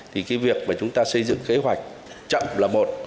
thì cái việc mà chúng ta xây dựng kế hoạch chậm là một